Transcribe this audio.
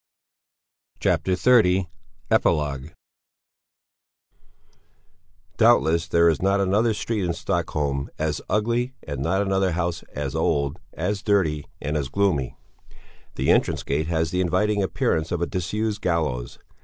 H. B. 1879. CHAPTER XXX EPILOGUE Doubtless there is not another street in Stockholm as ugly, and not another house as old, as dirty, and as gloomy. The entrance gate has the inviting appearance of a disused gallows.